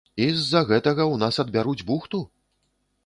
І з-за гэтага ў нас адбяруць бухту?